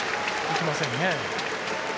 行きませんね。